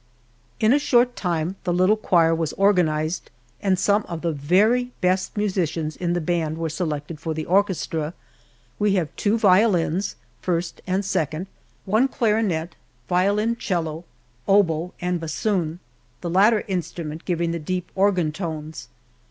In a short time the little choir was organized and some of the very best musicians in the band were selected for the orchestra. We have two violins (first and second), one clarinet, violoncello, oboe, and bassoon, the latter instrument giving the deep organ tones.